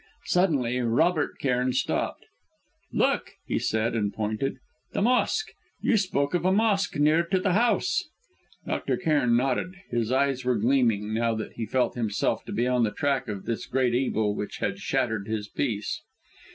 Suddenly Robert Cairn stopped. "Look!" he said, and pointed. "The mosque! You spoke of a mosque near to the house?" Dr. Cairn nodded; his eyes were gleaming, now that he felt himself to be upon the track of this great evil which had shattered his peace.